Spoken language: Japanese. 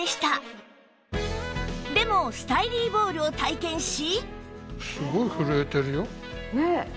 でもスタイリーボールを体験し